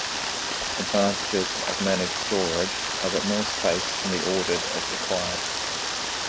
Advantages of managed storage are that more space can be ordered as required.